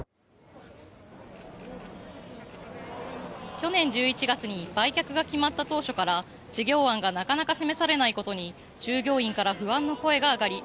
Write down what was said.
去年１１月に売却が決まった当初から事業案がなかなか示されないことに従業員から不安の声が上がり